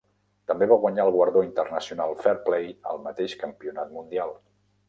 També va guanyar el guardó International Fair Play al mateix campionat mundial.